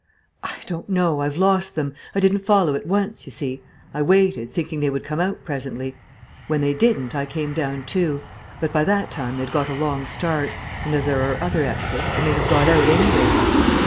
"I don't know. I've lost them. I didn't follow at once, you see; I waited, thinking they would come out presently. When they didn't, I came down too. But by that time they'd got a long start. And, as there are other exits, they may have got out anywhere."